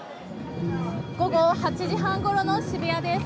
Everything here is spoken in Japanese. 午後８時半ごろの渋谷です。